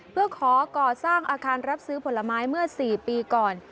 เพื่อขอก่อสร้างอาคารรับซื้อผลไม้เมื่อ๔ปีก่อน